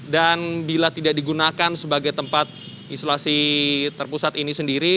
dan bila tidak digunakan sebagai tempat isolasi terpusat ini sendiri